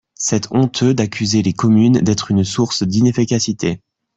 C’est honteux d’accuser les communes d’être une source d’inefficacité.